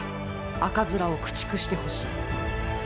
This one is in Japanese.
赤面を駆逐してほしい！